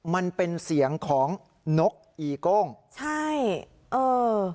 มันเป็นเสียงของนกอีโก้งใช่เออ